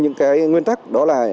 những nguyên tắc đó là